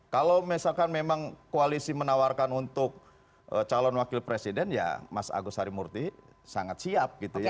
kalau misalkan memang koalisi menawarkan untuk calon wakil presiden ya mas agus harimurti sangat siap gitu ya